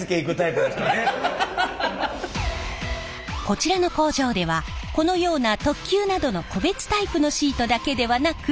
こちらの工場ではこのような特急などの個別タイプのシートだけではなく。